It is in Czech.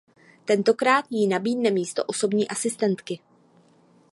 Tentokrát jí nabídne místo osobní asistentky.